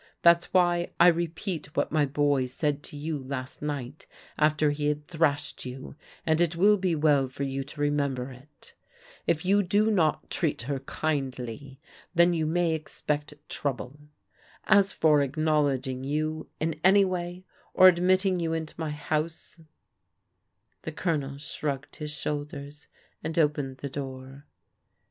That's why [ repeat what my boy said to you last night after he had thrashed you, and it will be well for you to remember it. If you do not treat her kindly, — ^then you may expect trouble. As for acknowledging you in any way, or ad mitting you into my house " The Colonel shrugged his shoulders, and opened the door.